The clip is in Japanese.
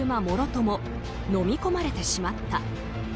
もろとも飲み込まれてしまった。